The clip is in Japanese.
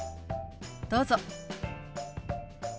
どうぞ。